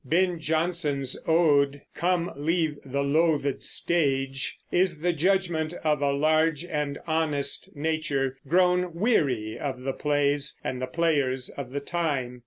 Ben Jonson's ode, "Come Leave the Loathed Stage," is the judgment of a large and honest nature grown weary of the plays and the players of the time.